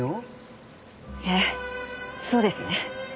ええそうですね。